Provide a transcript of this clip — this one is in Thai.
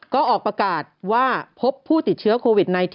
ก็ออกประกาศว่าพบผู้ติดเชื้อโควิด๑๙